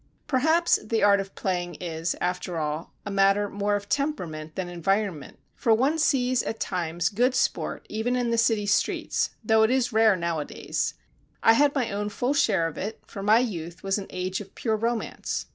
Perhaps the art of playing is, after all, a matter more of temperament than environment, for one sees, at times, good sport even in the city streets, though it is rare nowadays. I had my own full share of it, for my youth was an age of pure romance.